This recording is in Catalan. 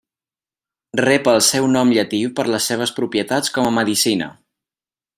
Rep el seu nom llatí per les seves propietats com a medicina.